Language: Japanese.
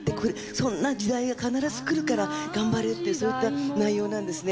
そんな時代が必ずくるから頑張れってそういった内容なんですね。